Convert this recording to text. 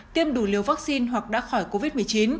tiêm đủ liều vaccine hoặc đã khỏi covid một mươi chín